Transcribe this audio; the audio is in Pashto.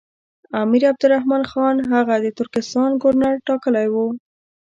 امیر عبدالرحمن خان هغه د ترکستان ګورنر ټاکلی وو.